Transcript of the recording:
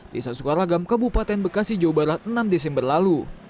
di sasukaragam kabupaten bekasi jawa barat enam desember lalu